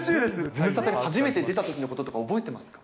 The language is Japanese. ズムサタに初めて出たときのこととか覚えてますか？